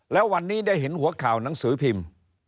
แล้ววันนี้ได้เห็นหัวข่าวหนังสือพิมพ์